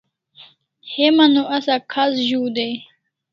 Heman o asa khas zu dai